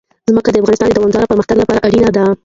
ځمکه د افغانستان د دوامداره پرمختګ لپاره اړین دي.